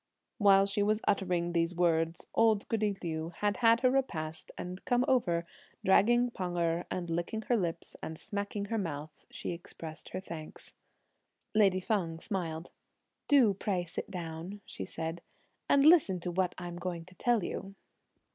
While she was uttering these words, old goody Liu had had her repast and come over, dragging Pan Erh; and, licking her lips and smacking her mouth, she expressed her thanks. Lady Feng smiled. "Do pray sit down," she said, "and listen to what I'm going to tell you.